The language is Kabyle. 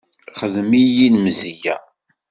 Xdem-iyi lemzeyya.